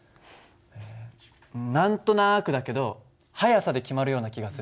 えっ何となくだけど速さで決まるような気がする。